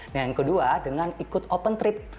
nah yang kedua dengan ikut open trip